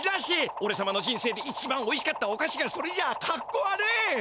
おれ様の人生でいちばんおいしかったおかしがそれじゃあかっこわるい！